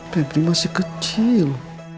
febri masih kecil